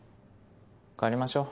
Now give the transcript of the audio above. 帰りましょう。